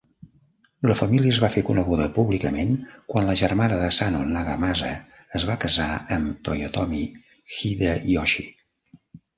La família es va fer coneguda públicament quan la germana d'Asano Nagamasa es va casar amb Toyotomi Hideyoshi.